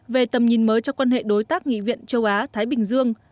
về tầm nhìn mới cho quan hệ đối tác nghị viện châu á thái bình dương